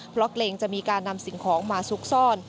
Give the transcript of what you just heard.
พล็อกเลงจะมีการนำสิ่งของมาสุกซ่อน